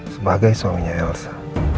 sebagai suaminya elsa